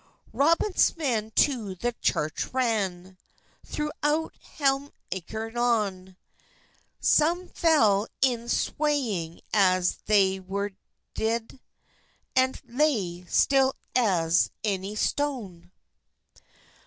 Robyns men to the churche ran Throout hem euerilkon; Sum fel in swonyng as thei were dede, And lay still as any stone.